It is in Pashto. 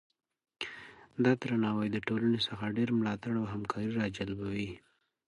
دا درناوی د ټولنې څخه ډیر ملاتړ او همکاري راجلبوي.